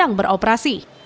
yang sedang beroperasi